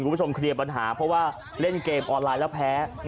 คุณผู้ชมเคลียร์ปัญหาเพราะว่าเล่นเกมออนไลน์แล้วแพ้